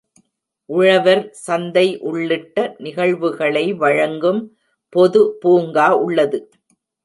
உழவர் சந்தை உள்ளிட்ட நிகழ்வுகளை வழங்கும் பொது பூங்கா உள்ளது.